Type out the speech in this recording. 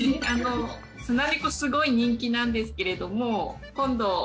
スナネコすごい人気なんですけれども。